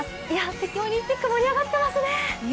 北京オリンピック盛り上がっていますね。